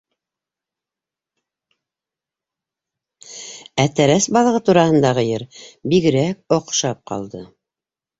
Ә тәрәс балығы тураһындағы йыр бигерәк оҡшап ҡалды!